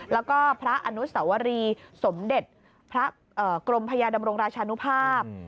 แล้วก็พระอนุสวรีสมเด็จพระกรมพญาดำรงราชานุภาพ